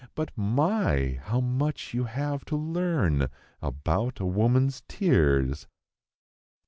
But my! How much you have to learn about a woman's tears!"